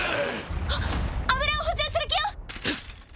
あっ油を補充する気よ！